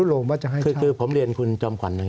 สวัสดีครับทุกคน